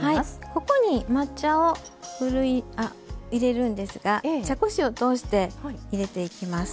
ここに抹茶を入れるんですが茶こしを通して入れていきます。